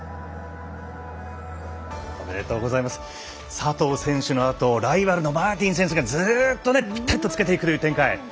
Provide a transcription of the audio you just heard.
佐藤選手の後ライバルのマーティン選手がずっとぴったりとつけてくるという展開。